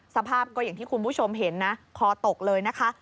สภาพก็อย่างที่คุณผู้ชมเห็นนะคอตกเลยนะคะ